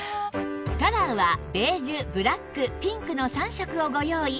カラーはベージュブラックピンクの３色をご用意